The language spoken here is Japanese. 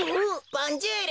ボンジュール。